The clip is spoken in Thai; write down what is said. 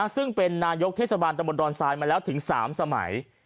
ซึ่งเป็นนายกเทศบาลตะบนดอนทรายมาแล้วถึง๓สมัย